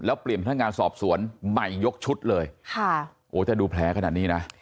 แล้วเปลี่ยนพนักงานสอบสวนใหม่ยกชุดเลยค่ะโอ้ถ้าดูแผลขนาดนี้นะ